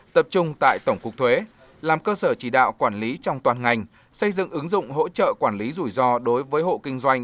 tập trung tại tổng cục thuế làm cơ sở chỉ đạo quản lý trong toàn ngành xây dựng ứng dụng hỗ trợ quản lý rủi ro đối với hộ kinh doanh